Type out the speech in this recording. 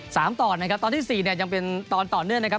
สามตอนนะครับตอนต้องยังเป็นตอนต่อเนื่องนะครับ